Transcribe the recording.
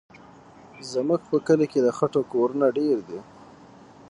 زموږ په کلي کې د خټو کورونه ډېر دي.